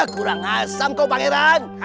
kurang asam kau pangeran